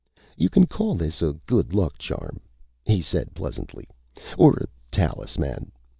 "You can call this a good luck charm," he said pleasantly, "or a talisman.